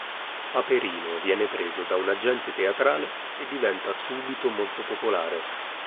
Paperino viene preso da un agente teatrale e diventa subito molto popolare.